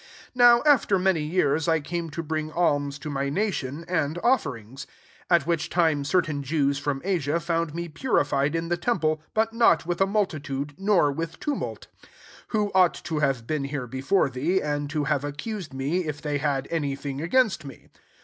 17 Now, after many years, I came to bring alms to my nation, and offerings. 18 At which time, certain Jews from Asia found me purified in the temple f but not with a multi* ti^e, nor with tumult : 19 who ought to have been here before thee^and to have accused me^ if thJ^ had any thing against me.